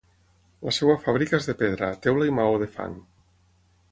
La seva fàbrica és de pedra, teula i maó de fang.